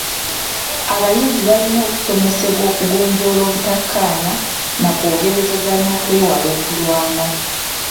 Abayizi balina okusomesebwa okugonjoola obutakkaanya na kwogerezaganya okwewala okulwana.